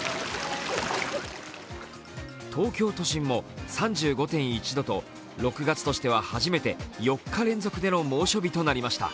東京都心も３５．１度と６月としては初めて４日連続での猛暑日となりました。